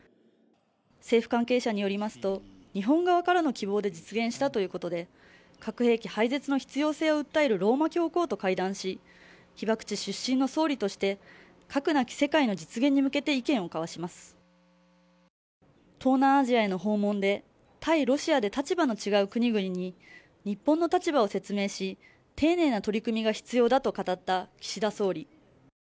政府関係者によりますと日本側からの希望で実現したということで核兵器廃絶の必要性を訴えるローマ教皇と会談し被爆地出身の総理として核なき世界の実現に向けて意見を交わします東南アジアへの訪問で対ロシアで立場の違う国々に日本の立場を説明し丁寧な取り組みが必要だと語った岸田総理